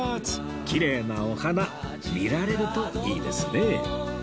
きれいなお花見られるといいですね